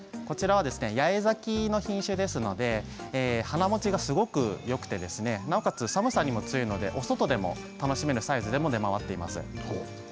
八重咲きの品種ですので花もちがすごくよくてなおかつ、寒さにも強いのでお外でも楽しめるサイズでも出回っています。